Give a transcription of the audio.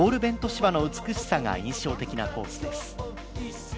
芝の美しさが印象的なコースです。